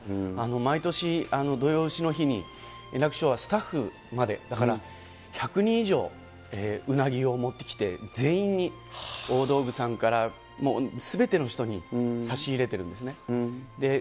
毎年、土用うしの日に、円楽師匠はスタッフまで、だから、１００人以上、うなぎを持ってきて、全員に大道具さんから、すべての人に差し入れてるんですね。